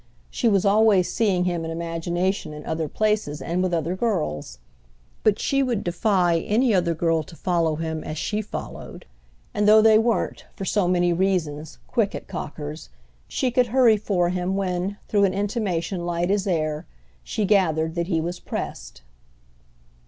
She was always seeing him in imagination in other places and with other girls. But she would defy any other girl to follow him as she followed. And though they weren't, for so many reasons, quick at Cocker's, she could hurry for him when, through an intimation light as air, she gathered that he was pressed.